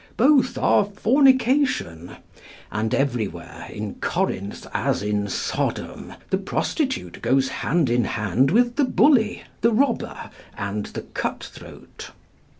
Both are fornication; and everywhere, in Corinth as in Sodom, the prostitute goes hand in hand with the bully, the robber, and the cut throat.